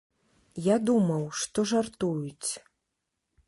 Я думаў, што жартуюць.